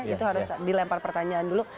itu harus dilempar pertanyaan dulu